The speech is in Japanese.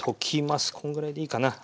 こんぐらいでいいかなはい。